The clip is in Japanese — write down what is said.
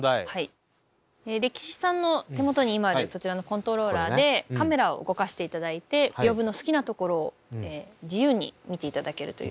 レキシさんの手元に今あるそちらのコントローラーでカメラを動かしていただいて屏風の好きなところを自由に見ていただけるという。